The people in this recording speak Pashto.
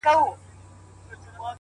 جدايي وخوړم لاليه. ستا خبر نه راځي.